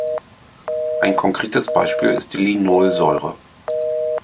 Ein konkretes Beispiel ist die Linolsäure.